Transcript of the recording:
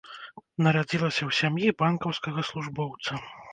Нарадзілася ў сям'і банкаўскага службоўца.